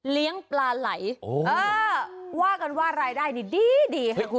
เลี้ยงปลาไหล่เออว่ากันว่ารายได้ดีคุณผู้ชม